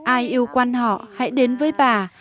ai yêu quan họ hãy đến với bà